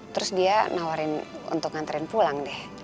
terus dia nawarin untuk nganterin pulang deh